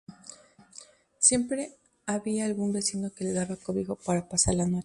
Siempre había algún vecino que le daba cobijo para pasar la noche.